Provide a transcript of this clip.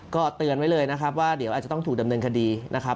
ก็เตือนไว้เลยนะครับว่าเดี๋ยวอาจจะต้องถูกดำเนินคดีนะครับ